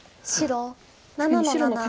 白７の七。